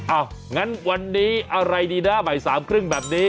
งั้นวันนี้อะไรดีนะบ่ายสามครึ่งแบบนี้